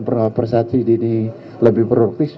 prestasi di lebih produktif